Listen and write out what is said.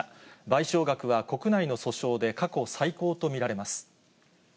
賠償額は国内の訴訟で過去最高と見られます。